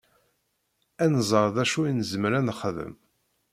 Ad nẓer d acu i nezmer ad nexdem.